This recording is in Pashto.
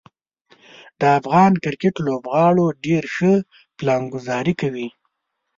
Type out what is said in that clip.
د افغان کرکټ لوبغاړو ډیر ښه پلانګذاري کوي.